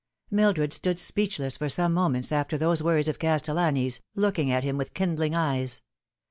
MILDRED stood speechless for some moments after those words of Castellani's, looking at him with kindling eyes.